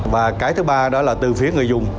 và cái thứ ba đó là từ phía người dùng